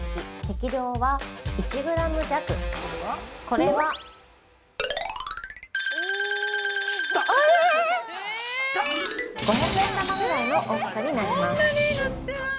これは、５００円玉ぐらいの大きさになります。